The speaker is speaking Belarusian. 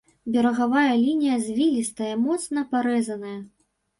Берагавая лінія звілістая, моцна парэзаная.